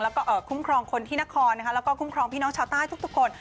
แล้วก็คุ้มครองคนที่นครแล้วก็คุ้มครองพี่น้องชาวใต้ทุกคน